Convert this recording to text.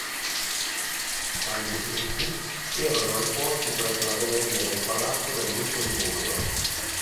Tali dipinti erano esposti presso la galleria del palazzo del Lussemburgo.